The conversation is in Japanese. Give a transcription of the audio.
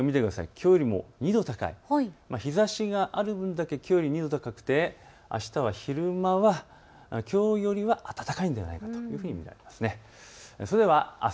きょうより２度高い、日ざしがある分だけきょうより２度高くて昼間はきょうよりは暖かいというふうに見られます。